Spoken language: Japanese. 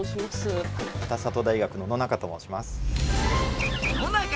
北里大学の野中と申します。